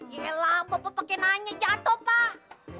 yelah bapak pakai nanya jatuh pak